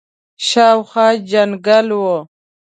شاوخوا جنګل وو.